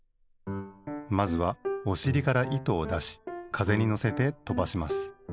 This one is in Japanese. まずはおしりから糸をだしかぜにのせてとばします。